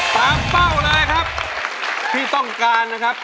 เป้าเลยครับที่ต้องการนะครับ